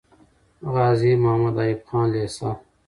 غازي محمد ايوب خان لیسه